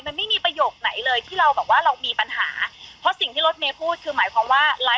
มันไม่มีประโยคไหนเลยที่เราแบบว่าเรามีปัญหาเพราะสิ่งที่รถเมย์พูดคือหมายความว่าไลฟ์